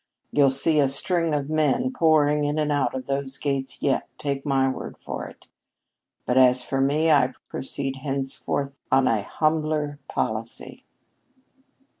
You'll see a string of men pouring in and out of those gates yet, take my word for it. But as for me, I proceed henceforth on a humbler policy."